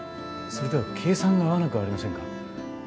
それでは計算が合わなくありませんか？